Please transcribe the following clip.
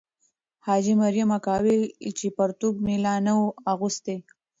حاجي مریم اکا وویل چې پرتوګ مې لا نه وو اغوستی.